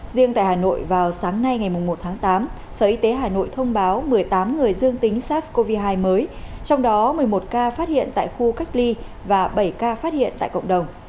riêng tại hà nội vào sáng nay ngày một tháng tám sở y tế hà nội thông báo một mươi tám người dương tính sars cov hai mới trong đó một mươi một ca phát hiện tại khu cách ly và bảy ca phát hiện tại cộng đồng